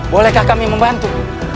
bolehkah kami membantu